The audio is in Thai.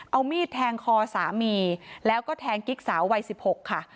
เอามีดแทงคอสามีแล้วก็แทงกิ๊กสาววัย๑๖ค่ะ